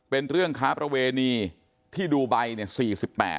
เป็นเรื่องค้าประเวณีที่ดูไบเนี่ย